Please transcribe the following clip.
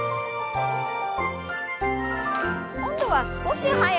今度は少し速く。